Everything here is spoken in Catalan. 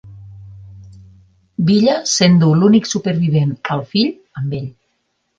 Villa s'endú l'únic supervivent, el fill, amb ell.